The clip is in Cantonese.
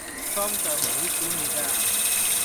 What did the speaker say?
方丈好小氣架